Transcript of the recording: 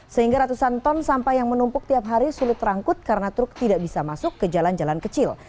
sehingga ratusan ton sampah yang menumpuk tiap hari sulit terangkut karena truk tidak bisa masuk ke jalan jalan kecil